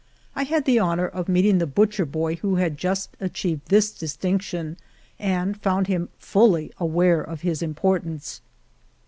I had the honor of meeting the butcher boy who had just achieved this distinction, and found him fully aware of his importance.